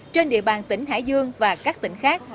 trên địa bàn tỉnh hải dương và các tỉnh khác